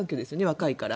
若いから。